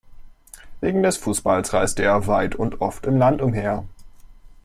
Wegen des Fußballs reiste er weit und oft im Land umher.